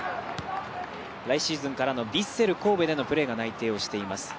来シーズンからのヴィッセル神戸でのプレーが内定しています。